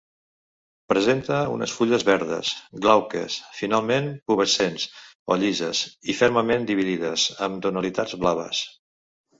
Presenta unes fulles verdes, glauques, finament pubescents o llises i fermament dividides, amb tonalitats blaves.